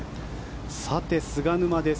さて、菅沼です。